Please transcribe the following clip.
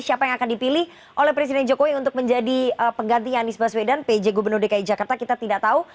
siapa yang akan dipilih oleh presiden jokowi untuk menjadi pengganti anies baswedan pj gubernur dki jakarta kita tidak tahu